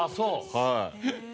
はい。